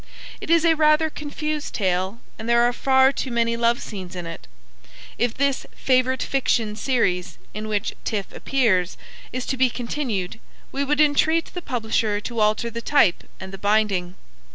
It is a rather confused tale, and there are far too many love scenes in it. If this 'Favourite Fiction' Series, in which Tiff appears, is to be continued, we would entreat the publisher to alter the type and the binding.